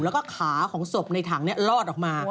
แล้วก็ขาของศพในถังลอดออกมา